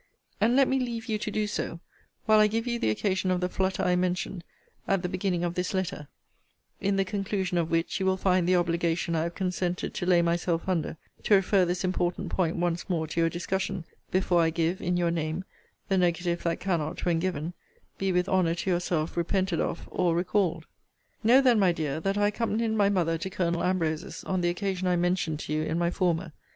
And let me leave you to do so, while I give you the occasion of the flutter I mentioned at the beginning of this letter; in the conclusion of which you will find the obligation I have consented to lay myself under, to refer this important point once more to your discussion, before I give, in your name, the negative that cannot, when given, be with honour to yourself repented of or recalled. Know, then, my dear, that I accompanied my mother to Colonel Ambrose's on the occasion I mentioned to you in my former.